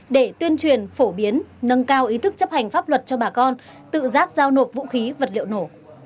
để tuyên truyền phổ biến nâng cao ý thức chấp hành pháp luật cho bà con tự giác giao nộp vũ khí vật liệu nổ